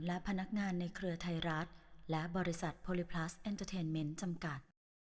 และพนักงานในเครือไทยรัฐและบริษัทโพลิพลัสเอ็นเตอร์เทนเมนต์จำกัด